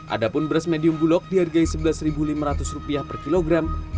ada pun beras medium bulog dihargai rp sebelas lima ratus per kilogram